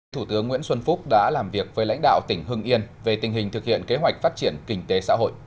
thủ tướng nguyễn xuân phúc đã làm việc với lãnh đạo tỉnh hưng yên về tình hình thực hiện kế hoạch phát triển kinh tế xã hội